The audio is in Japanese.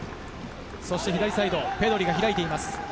左サイドはペドリが開いています。